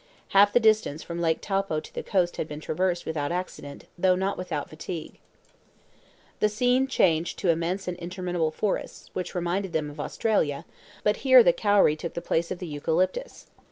Half the distance from Lake Taupo to the coast had been traversed without accident, though not without fatigue. Then the scene changed to immense and interminable forests, which reminded them of Australia, but here the kauri took the place of the eucalyptus.